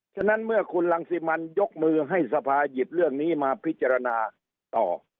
ฉะนั้นเมื่อคุณรังสิมันยกมือให้สภาหยิบเรื่องนี้มาพิจารณาต่อ